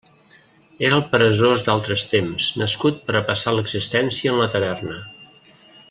Era el peresós d'altres temps, nascut per a passar l'existència en la taverna.